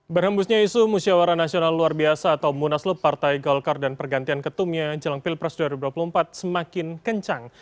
berhembusnya isu musyawara nasional luar biasa atau munaslup partai golkar dan pergantian ketumnya jelang pilpres dua ribu dua puluh empat semakin kencang